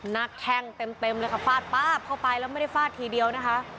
แข้งเต็มเลยค่ะฟาดป๊าบเข้าไปแล้วไม่ได้ฟาดทีเดียวนะคะ